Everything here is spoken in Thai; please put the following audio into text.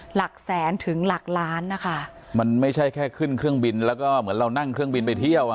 หลักแสนถึงหลักล้านนะคะมันไม่ใช่แค่ขึ้นเครื่องบินแล้วก็เหมือนเรานั่งเครื่องบินไปเที่ยวอ่ะ